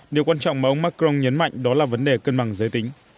điều quan trọng mà ông macron nhấn mạnh đó là vấn đề cân bằng giới tính